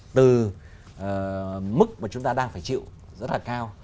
từ mức mà chúng ta đang phải chịu rất là cao